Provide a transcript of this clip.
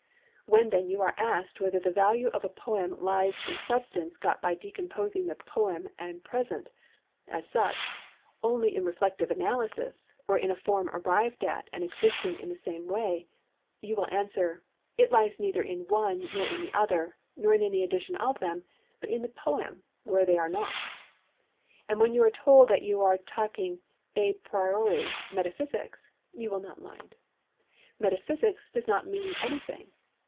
When then you are asked whether the value of a poem lies in a substance got by decomposing the poem and present, as such, only in reflective analysis, or in a form arrived at and existing in the same way, you will answer, 'It lies neither in one, nor in the other, nor in any addition of them, but in the poem, where they are not.' And when you are told that you are talking a priori metaphysics, you will not mind. 'Metaphysics' does not mean anything.